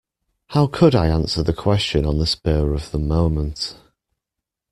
How could I answer the question on the spur of the moment.